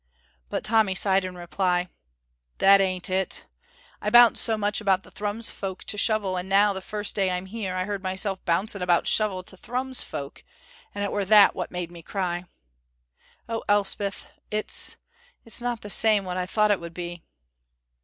But Tommy sobbed in reply, "That ain't it. I bounced so much about the Thrums folk to Shovel, and now the first day I'm here I heard myself bouncing about Shovel to Thrums folk, and it were that what made me cry. Oh, Elspeth, it's it's not the same what I thought it would be!"